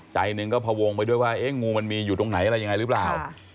ใจหนึ่งก็พวงไปด้วยว่าเอ๊ะงูมันมีอยู่ตรงไหนอะไรยังไงหรือเปล่า